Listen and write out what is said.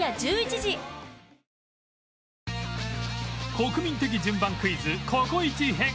国民的順番クイズココイチ編